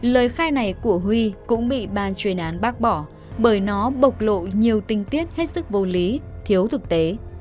lời khai này của huy cũng bị ban chuyên án bác bỏ bởi nó bộc lộ nhiều tình tiết hết sức vô lý thiếu thực tế